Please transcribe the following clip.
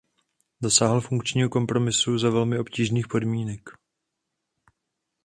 Dosáhl funkčního kompromisu za velmi obtížných podmínek.